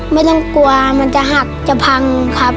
ไม่ต้องกลัวมันจะหักจะพังครับ